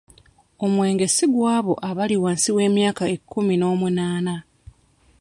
Omwenge si gwabo abali wansi w'emyaka ekkumi n'omunaana.